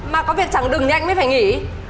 mà có việc chẳng đừng thì anh mới phải nghỉ